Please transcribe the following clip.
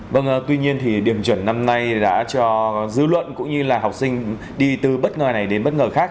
vâng tuy nhiên thì điểm chuẩn năm nay đã cho dư luận cũng như là học sinh đi từ bất ngờ này đến bất ngờ khác